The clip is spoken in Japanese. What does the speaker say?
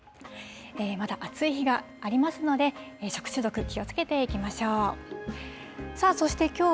まだ暑い日がありますので、食中毒気をつけていきましょう。